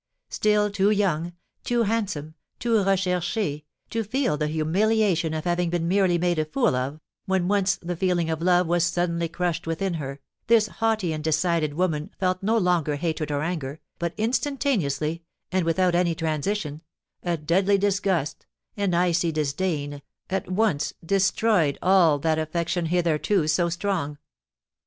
Still too young, too handsome, too recherché, to feel the humiliation of having been merely made a tool of, when once the feeling of love was suddenly crushed within her, this haughty and decided woman felt no longer hatred or anger, but instantaneously, and without any transition, a deadly disgust, an icy disdain, at once destroyed all that affection hitherto so strong.